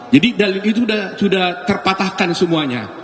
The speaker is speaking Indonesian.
jadi dari itu sudah terpatahkan semuanya